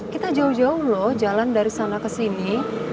kita jauh jauh lho jalan dari sana kesini